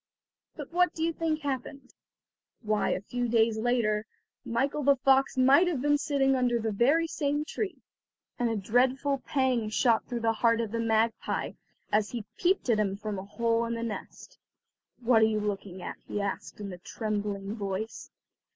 But what do you think happened? Why, a few days later, Michael the fox might have been seen sitting under the very same tree, and a dreadful pang shot through the heart of the magpie as he peeped at him from a hole in the nest. "What are you looking at?" he asked in a trembling voice.